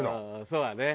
そうだね。